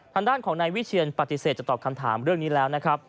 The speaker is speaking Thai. ทางด้านของนายวิเชียนปฏิเสธจะตอบคำถามเรื่องนี้แล้วนะครับ